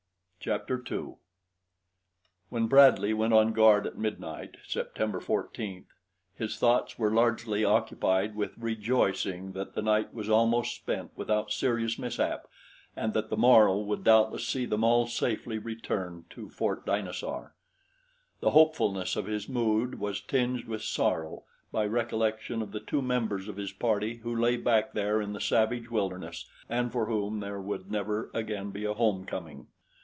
Chapter 2 When Bradley went on guard at midnight, September 14th, his thoughts were largely occupied with rejoicing that the night was almost spent without serious mishap and that the morrow would doubtless see them all safely returned to Fort Dinosaur. The hopefulness of his mood was tinged with sorrow by recollection of the two members of his party who lay back there in the savage wilderness and for whom there would never again be a homecoming.